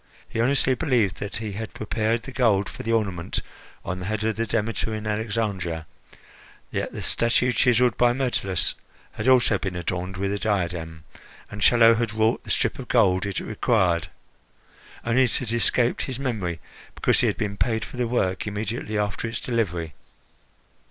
He honestly believed that he had prepared the gold for the ornament on the head of the Demeter in Alexandria; yet the statue chiselled by Myrtilus had also been adorned with a diadem, and Chello had wrought the strip of gold it required. Only it had escaped his memory, because he had been paid for the work immediately after its delivery.